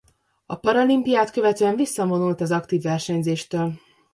A paralimpiát követően visszavonult az aktív versenyzéstől.